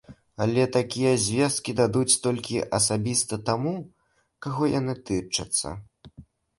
Але такія звесткі дадуць толькі асабіста таму, каго яны тычацца.